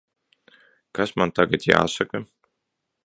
Kas man tagad jāsaka?